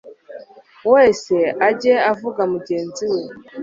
wese aiye avuga mugenzi we